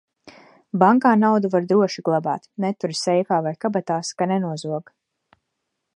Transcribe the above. Bankā naudu droši glabāt, neturi seifā vai kabatās, ka nenozog!